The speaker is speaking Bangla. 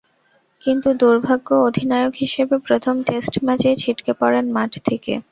কিন্তু দুর্ভাগ্য, অধিনায়ক হিসেবে প্রথম টেস্ট ম্যাচেই ছিটকে পড়েন মাঠ থেকে।